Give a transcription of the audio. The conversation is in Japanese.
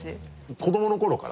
子どもの頃から？